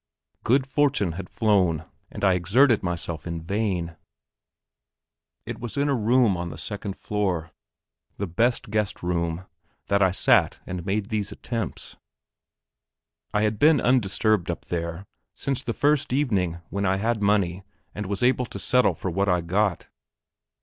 Good fortune had flown; and I exerted myself in vain. It was in a room on the second floor, the best guest room, that I sat and made these attempts. I had been undisturbed up there since the first evening when I had money and was able to settle for what I got.